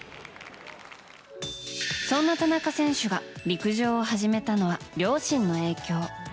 そんな田中選手が陸上を始めたのは両親の影響。